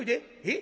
「え？」。